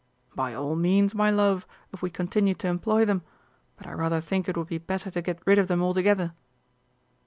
"By all means, my love, if we continue to employ them. But I rather think it would be better to get rid of them altogether."